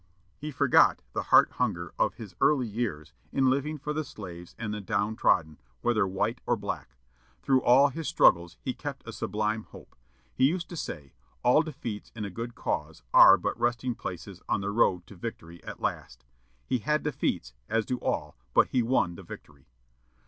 He forgot the heart hunger of his early years in living for the slaves and the down trodden, whether white or black. Through all his struggles he kept a sublime hope. He used to say, "All defeats in a good cause are but resting places on the road to victory at last." He had defeats, as do all, but he won the victory.